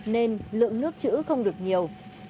nên lượng nước chữ không được nhiều